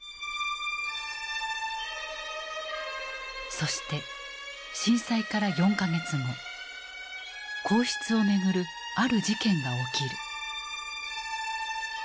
そして震災から４か月後皇室を巡るある事件が起きる。